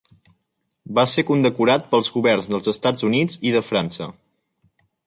Va ser condecorat pels governs dels Estats Units i de França.